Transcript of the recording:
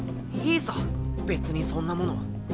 いいさ別にそんなもの。